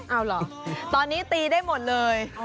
เอาเหรอตอนนี้ตีได้หมดเลย